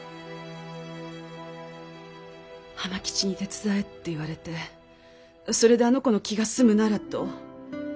浜吉に手伝えって言われてそれであの子の気が済むならと。